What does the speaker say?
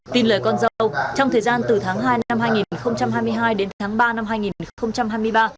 tin lời con dâu trong thời gian từ tháng hai năm hai nghìn hai mươi hai đến tháng ba năm hai nghìn hai mươi ba